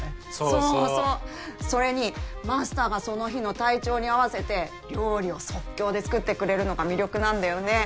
そうそうそれにマスターがその日の体調に合わせて料理を即興で作ってくれるのが魅力なんだよね